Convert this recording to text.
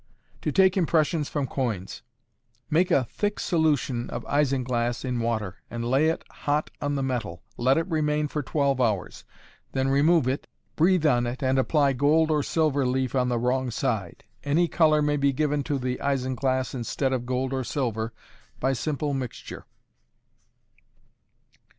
To Take Impressions from Coins. Make a thick solution of isinglass in water, and lay it hot on the metal; let it remain for twelve hours, then remove it, breathe on it and apply gold or silver leaf on the wrong side. Any color may be given to the isinglass instead of gold or silver, by simple mixture.